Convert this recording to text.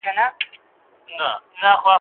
بیا یې د ایپي د مورچلونو ډېوې بلي کړې.